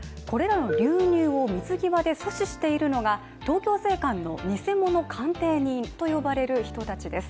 これらの流入を水際で阻止しているのが、東京税関の偽物鑑定人と呼ばれる人たちです。